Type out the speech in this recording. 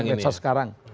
kondisi medsos sekarang